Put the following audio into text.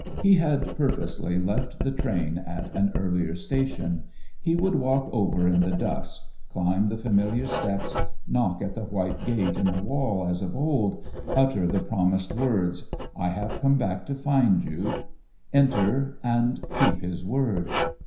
He had purposely left the train at an earlier station; he would walk over in the dusk, climb the familiar steps, knock at the white gate in the wall as of old, utter the promised words, "I have come back to find you," enter, and keep his word.